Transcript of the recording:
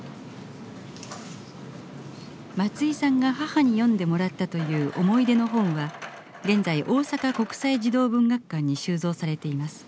松居さんが母に読んでもらったという思い出の本は現在大阪国際児童文学館に収蔵されています。